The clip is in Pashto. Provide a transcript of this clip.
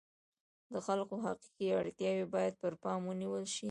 د خلکو حقیقي اړتیاوې باید پر پام ونیول شي.